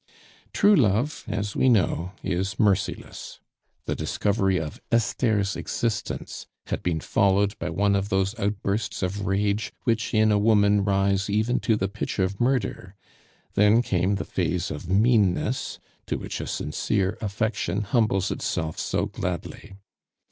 True love, as we know, is merciless. The discovery of Esther's existence had been followed by one of those outbursts of rage which in a woman rise even to the pitch of murder; then came the phase of meanness, to which a sincere affection humbles itself so gladly.